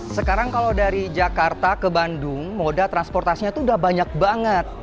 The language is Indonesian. sekarang kalau dari jakarta ke bandung moda transportasinya itu udah banyak banget